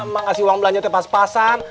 mak kasih uang belanja tepas pasan